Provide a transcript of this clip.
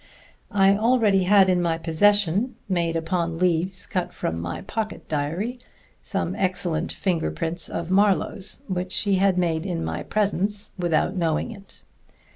I already had in my possession, made upon leaves cut from my pocket diary, some excellent finger prints of Marlowe's, which he had made in my presence without knowing it.